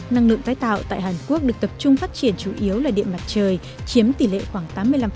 năng lượng tái tạo tại hàn quốc được tập trung phát triển chủ yếu là điện mặt trời chiếm tỷ lệ khoảng tám mươi năm